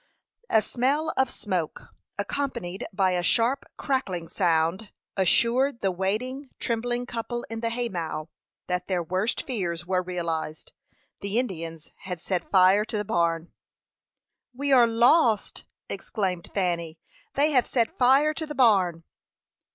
A smell of smoke, accompanied by a sharp, crackling sound, assured the waiting, trembling couple in the hay mow that their worst fears were realized. The Indians had set fire to the barn. "We are lost!" exclaimed Fanny. "They have set fire to the barn!"